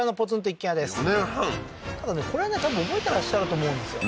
ただねこれはね多分覚えてらっしゃると思うんですよ